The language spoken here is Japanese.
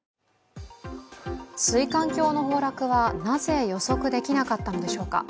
水管橋の崩落はなぜ予測できなかったんでしょうか。